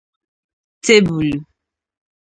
tebulu